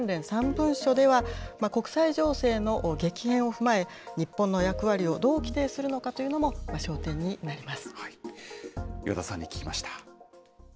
３文書では、国際情勢の激変を踏まえ、日本の役割をどう規定するのかというのも、焦点になります。